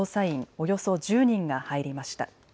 およそ１０人が入りました。